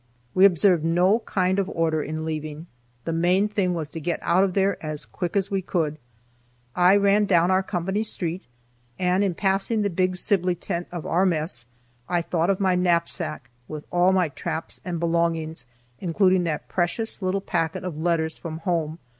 We observed no kind of order in leaving; the main thing was to get out of there as quick as we could. I ran down our company street, and in passing the big Sibley tent of our mess I thought of my knapsack with all my traps and belongings, including that precious little packet of letters from home.